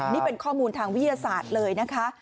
นี่เป็นข้อมูลทางวิทยาศาสตร์เลยนะคะ